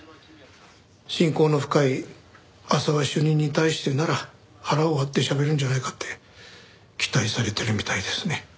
親交の深い浅輪主任に対してなら腹を割ってしゃべるんじゃないかって期待されてるみたいですね。